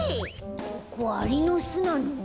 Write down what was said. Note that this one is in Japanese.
ここアリのすなの？